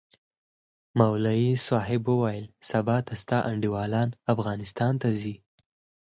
مولوي صاحب وويل سبا د تا انډيوالان افغانستان له زي؟